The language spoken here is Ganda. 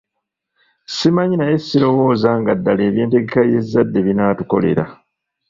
Simanyi naye sirowooza nga ddala eby’entegeka y’ezzade binaatukolera.